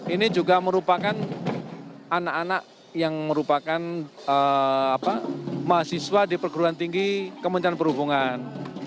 ini juga merupakan anak anak yang merupakan mahasiswa di perguruan tinggi kementerian perhubungan